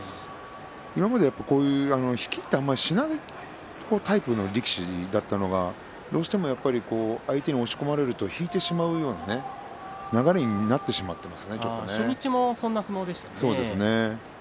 今までこういう引きってあんまりしないタイプの力士だったのはどうしても、やっぱり相手に押し込まれると引いてしまうような流れに初日はそんな相撲でしたね。